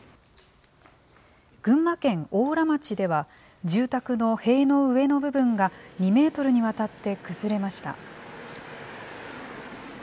群馬県邑楽町では住宅の塀の上の部分が２メートルにわたって崩れました。